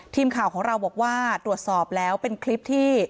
ทีมข่าวของเราบอกว่าตรวจสอบแล้วเป็นคลิปที่